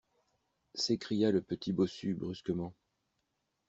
S'écria le petit bossu brusquement.